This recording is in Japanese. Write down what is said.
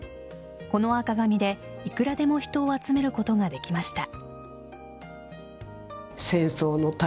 この赤紙でいくらでも人を集めることができました。